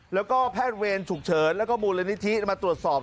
แล้วก็แพทย์เวรฉุกเฉินแล้วก็มูลนิธิมาตรวจสอบ